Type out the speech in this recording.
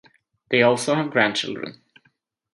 They also have grandchildren.